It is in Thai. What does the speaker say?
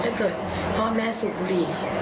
ถ้าเกิดพ่อแม่สุบุหรี่